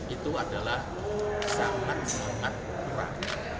itu adalah sangat mengatrak